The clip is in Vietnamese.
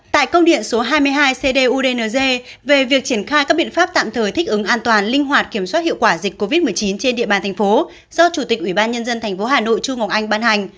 tại công điện số hai mươi hai cd udnz về việc triển khai các biện pháp tạm thời thích ứng an toàn linh hoạt kiểm soát hiệu quả dịch covid một mươi chín trên địa bàn thành phố do chủ tịch ubnd tp hà nội trung ngọc anh ban hành